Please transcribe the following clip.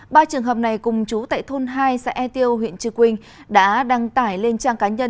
ba trường hợp này cùng chú tại thôn hai xã e tiêu huyện trư quynh đã đăng tải lên trang cá nhân